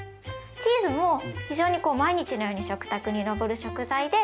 チーズも非常にこう毎日のように食卓に上る食材で。